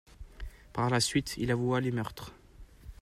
Par la suite, il avoua les meurtres.